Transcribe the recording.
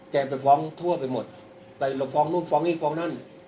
ไปฟ้องทั่วไปหมดไปเราฟ้องนู่นฟ้องนี่ฟ้องนั่น